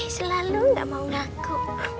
selalu gak mau ngaku